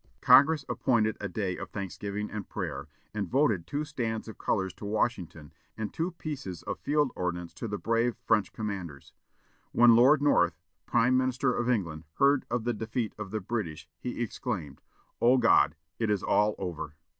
Congress appointed a day of thanksgiving and prayer, and voted two stands of colors to Washington and two pieces of field ordnance to the brave French commanders. When Lord North, Prime Minister of England, heard of the defeat of the British, he exclaimed, "Oh, God! it is all over!"